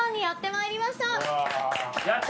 やってまいりました！